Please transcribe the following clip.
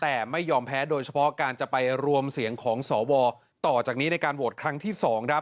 แต่ไม่ยอมแพ้โดยเฉพาะการจะไปรวมเสียงของสวต่อจากนี้ในการโหวตครั้งที่๒ครับ